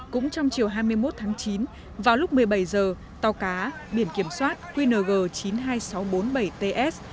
cũng trong chiều hai mươi một tháng chín vào lúc một mươi bảy h tàu cá biển kiểm soát qng chín mươi hai nghìn sáu trăm bốn mươi bảy ts